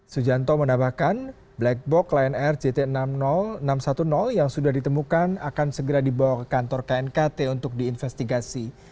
sujarto menambahkan black box lain rgt enam ratus satu yang sudah ditemukan akan segera dibawa ke kantor knkt untuk diinvestigasi